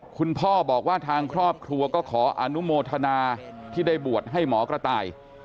คุณพ่อบอกว่าทางครอบครัวก็ขออนุโมทนาที่ได้บวชให้หมอกระต่าย